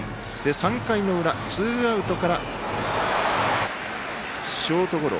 ３回の裏、ツーアウトからショートゴロ。